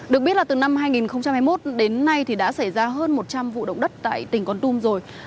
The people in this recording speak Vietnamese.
được biết là từ năm hai nghìn hai mươi một đến nay thì đã xảy ra hơn một trăm linh vụ động đất tại tỉnh con tum rồi